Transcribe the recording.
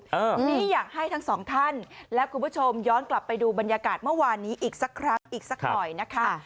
นี่อยากให้ทั้งสองท่านและคุณผู้ชมย้อนกลับไปดูบรรยากาศเมื่อวานนี้อีกสักครั้งอีกสักหน่อยนะคะ